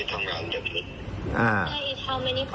แต่ก็ออกไปทำงานอย่างนี้